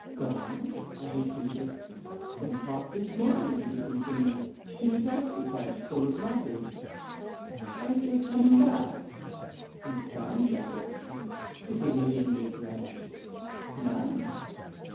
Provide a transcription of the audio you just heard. "Gone?" I repeated. "Went off this morning," he continued; "two taxi cabs full of luggage." "Aren't they coming back?" "No signs of it." "Did they leave any address?" "None!"